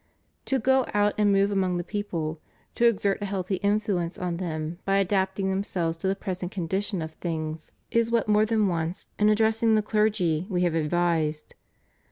To go out and move among the people, to exert a healthy influence on them by adapt ing themselves to the present condition of things is what 492 CHRISTIAN DEMOCRACY. more than once in addressing the clergy We have ad vised.